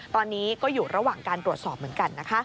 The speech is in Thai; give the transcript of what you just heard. ตอนนี้ก็อยู่ระหว่างการตรวจสอบเหมือนกันนะคะ